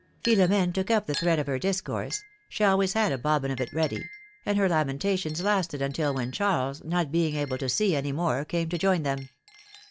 Philomene took up the thread of her discourse — she always had a bobbin of it ready — and her lamentations lasted until when Charles, not being able to see any more, came to join them.